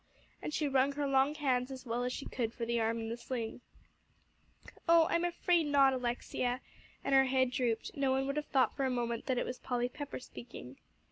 and she wrung her long hands as well as she could for the arm in the sling. "Oh, no, I am afraid not, Alexia," and her head drooped; no one would have thought for a moment that it was Polly Pepper speaking.